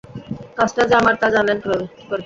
কাজটা যে আমার তা জানলেন কী করে?